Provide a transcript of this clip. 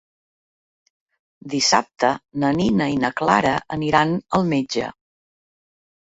Dissabte na Nina i na Clara aniran al metge.